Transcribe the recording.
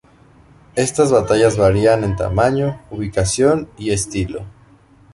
Estas batallas varían en tamaño, ubicación y estilo.